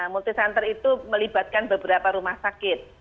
multi center itu melibatkan beberapa rumah sakit